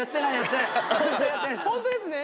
ホントですね？